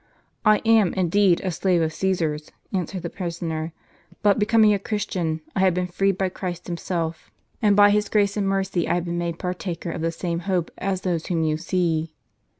"I am, indeed, a slave of Caesar's," answered the prisoner; " but becoming a Christian, I have been freed by Christ Him self; and by His grace and mercy I have been made partaker of the same hope as those whom you see."